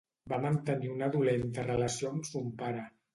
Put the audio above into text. Va mantenir una dolenta relació amb son pare.